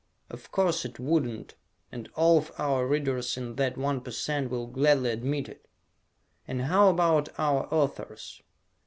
Of course it wouldn't, and all of our Readers in that 1% will gladly admit it. And how about our authors?